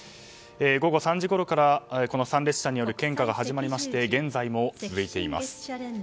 午後３時ごろから参列者による献花が始まりまして現在も続いています。